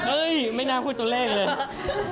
เฮ่ยไม่น่าพูดตัวเล่นเลย